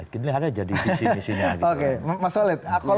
ya dilihat aja di visi misinya gitu kan